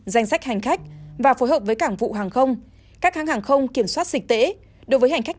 danh sách hành khách và phối hợp với cảng vụ hàng không các hãng hàng không kiểm soát dịch tễ đối với hành khách